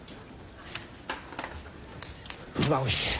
馬を引け。